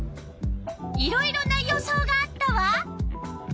いろいろな予想があったわ。